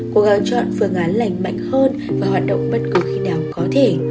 cố gắng chọn phương án lành mạnh hơn và hoạt động bất cứ khi nào có thể